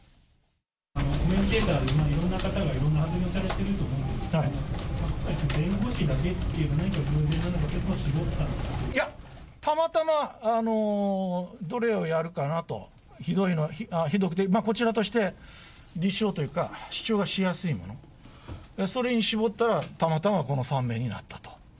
コメンテーター、いろんな方がいろんな発言をされていると思うんですが、弁護士だけっていうのは偶然なのか、いや、たまたまどれをやるかなと、ひどいの、ひどくて、こちらとして立証というか、主張がしやすいもの、それに絞ったら、たまたまこの３名になったと。